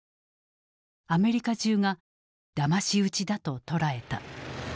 アメリカ中がだまし討ちだと捉えた。